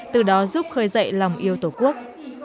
từ đó giúp khơi dậy lòng yêu tổ quốc